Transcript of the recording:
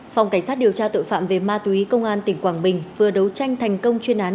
phòng cảnh sát điều tra tội phạm về ma túy công an tỉnh quảng bình vừa đấu tranh thành công chuyên án